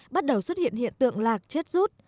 bắt đầu xuất hiện hiện tượng lạc chết rút